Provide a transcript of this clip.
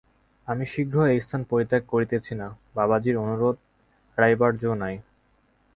আমি শীঘ্র এ স্থান পরিত্যাগ করিতেছি না, বাবাজীর অনুরোধ এড়াইবার যো নাই।